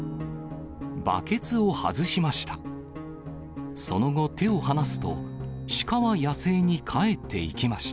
バケツを外しました。